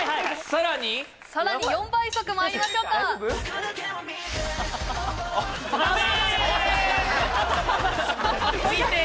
さらにさらに４倍速まいりましょうかダメ！